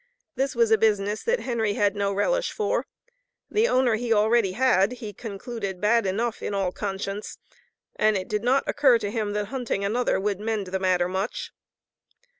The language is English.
This was a business that Henry had no relish for. The owner he already had, he concluded bad enough in all conscience, and it did not occur to him that hunting another would mend the matter much.